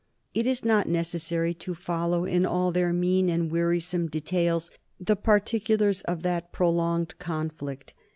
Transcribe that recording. It is not necessary to follow in all their mean and wearisome details the particulars of that prolonged conflict.